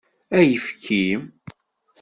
Ayefki.